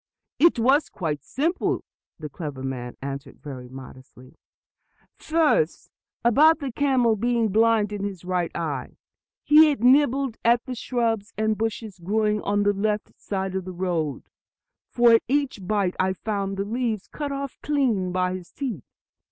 "It was quite simple," the clever man answered very modestly. "First, about the camel being blind in his right eye. He had nibbled at the shrubs and bushes growing on the left side of the road, for at each bite I found the leaves cut off clean by his teeth.